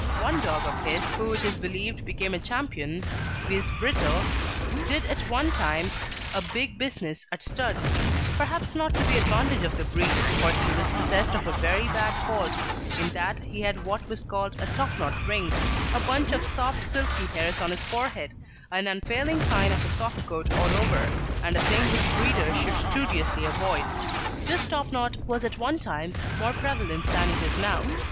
One dog of his, who it is believed became a champion, viz. Brittle, did at one time a big business at stud, perhaps not to the advantage of the breed, for he was possessed of a very bad fault, in that he had what was called a topknot ring, a bunch of soft silky hairs on his forehead, an unfailing sign of a soft coat all over, and a thing which breeders should studiously avoid. This topknot was at one time more prevalent than it is now.